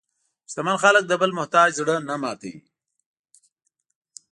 شتمن خلک د بل محتاج زړه نه ماتوي.